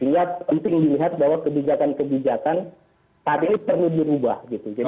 sehingga penting dilihat bahwa kebijakan kebijakan saat ini perlu dirubah